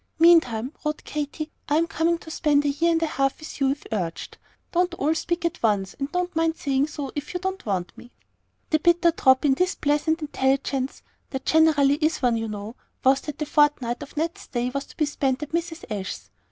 "Meantime," wrote Katy, "I am coming to spend a year and a half with you, if urged. Don't all speak at once, and don't mind saying so, if you don't want me." The bitter drop in this pleasant intelligence there generally is one, you know was that the fortnight of Ned's stay was to be spent at Mrs. Ashe's.